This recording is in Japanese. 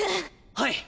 はい。